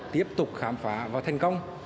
tiếp tục khám phá và thành công